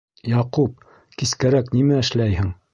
— Яҡуп, кискәрәк нимә эшләйһең?